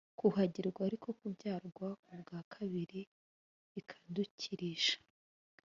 kuhagirwa ari ko kubyarwa ubwa kabiri ikadukirisha